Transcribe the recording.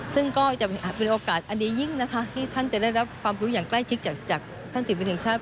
ซึ่งก็จะเป็นโอกาสอันดียิ่งนะคะที่ท่านจะได้รับความรู้อย่างใกล้ชิดจากท่านศิลปินแห่งชาติ